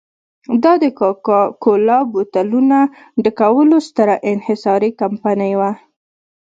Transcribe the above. دا د کوکا کولا بوتلونو ډکولو ستره انحصاري کمپنۍ وه.